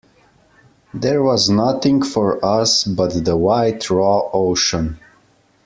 There was nothing for us but the wide raw ocean.